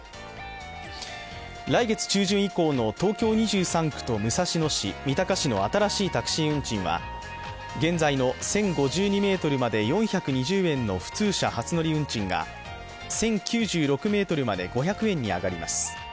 来月中旬以降の東京２３区と武蔵野市、三鷹市の新しいタクシー運賃は現在の１０５２ｍまで４２０円の普通車初乗り運賃が１０９６ｍまで５００円に上がります。